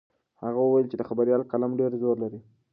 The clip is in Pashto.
هغه وویل چې د خبریال قلم ډېر زور لري.